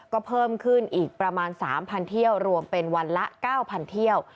ก็เพิ่มขึ้นอีกประมาณ๓๐๐เที่ยวรวมเป็นวันละ๙๐๐เที่ยว